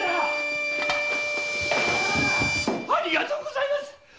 ありがとうございます。